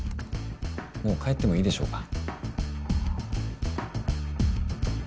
もう帰ってもいいでしょうか。